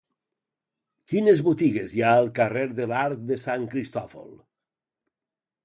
Quines botigues hi ha al carrer de l'Arc de Sant Cristòfol?